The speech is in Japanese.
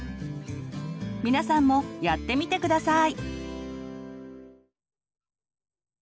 皆さんもやってみて下さい！